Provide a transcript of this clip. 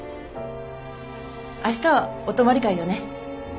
明日はお泊まり会よね。